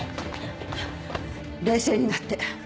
冷静になって。